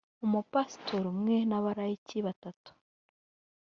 umupasitori umwe n’abalayiki batatu